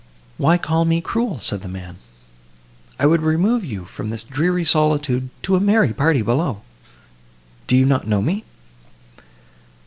"Why call me cruel?" said the man, "I would remove you from this dreary solitude to a merry party below. Do you not know me?"